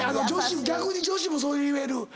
逆に女子もそういえる。